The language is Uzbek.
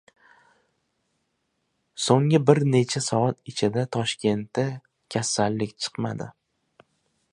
So‘nggi bir necha soat ichida Toshkentda kasallik chiqmadi